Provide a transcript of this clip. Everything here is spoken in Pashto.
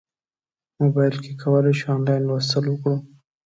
موبایل کې کولی شو انلاین لوستل وکړو.